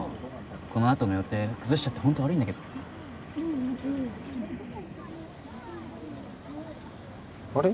このあとの予定崩しちゃってホント悪いんだけどあれ？